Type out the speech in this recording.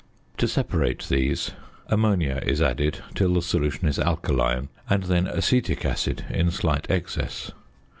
To separate these, ammonia is added till the solution is alkaline, and then acetic acid in slight excess.